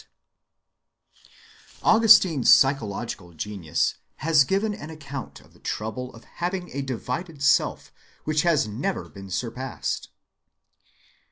(91) Augustine's psychological genius has given an account of the trouble of having a divided self which has never been surpassed.